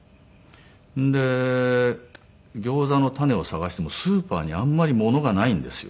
でギョーザのタネを探してもスーパーにあんまりものがないんですよ。